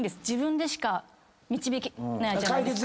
自分でしか導けないじゃない。